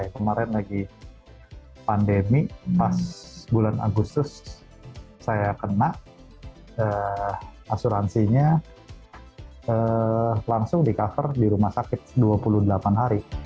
kemarin lagi pandemi pas bulan agustus saya kena asuransinya langsung di cover di rumah sakit dua puluh delapan hari